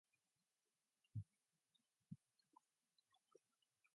The sheep became infected with anthrax and began to die within days of exposure.